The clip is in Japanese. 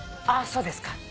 あそうですか。